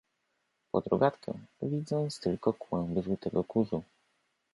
"pod rogatkę, widząc tylko kłęby żółtego kurzu."